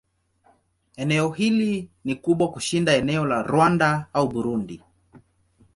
Eneo hili ni kubwa kushinda eneo la Rwanda au Burundi.